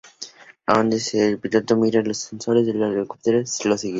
A donde sea que el piloto mire, los sensores del helicóptero lo seguirán.